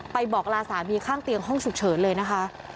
บอกลาสามีข้างเตียงห้องฉุกเฉินเลยนะคะ